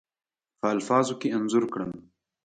په الفاظو کې انځور کړم.